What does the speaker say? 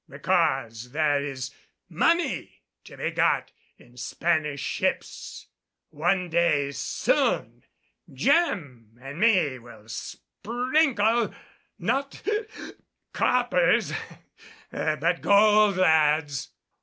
Because there is money to be got in Spanish ships. One day soon Jem an' me will sprinkle, not hic coppers, but gold, lads!